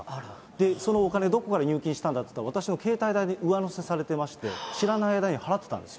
そのお金、どこから入金したんだっていったら、私の携帯代に上乗せされてまして、知らない間に払ってたんですね。